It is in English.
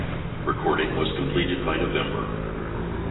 Recording was completed by November.